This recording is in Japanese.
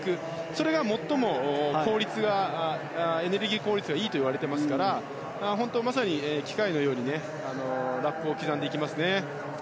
それが最もエネルギー効率がいいといわれていますからまさに機械のようにラップを刻んでいきますね。